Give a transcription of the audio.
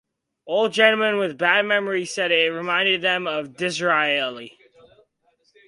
Old gentlemen with bad memories said it reminded them of Disraeli.